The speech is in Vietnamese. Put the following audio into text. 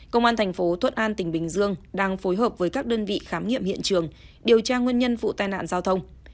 công an thành phố thuận an tỉnh bình dương đang phối hợp với các đơn vị khám nghiệm hiện trường điều tra nguyên nhân vụ tai nạn giao thông